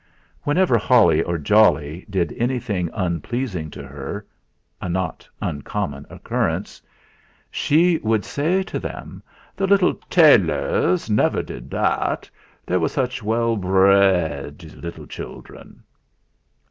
Whenever Holly or Jolly did anything unpleasing to her a not uncommon occurrence she would say to them: "The little Tayleurs never did that they were such well brrred little children."